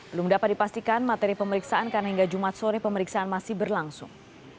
belum dapat dipastikan materi pemeriksaan karena hingga jumat sore pemeriksaan masih berlangsung